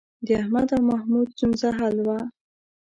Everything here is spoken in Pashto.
د احمد او محمود ستونزه حل وه.